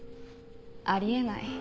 あり得ない。